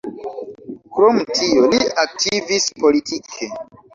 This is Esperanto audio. Krom tio li aktivis politike.